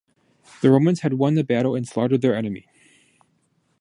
The Romans had won the battle and slaughtered their enemy.